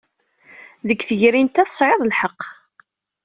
Deg tegnit-a, tesɛiḍ lḥeqq.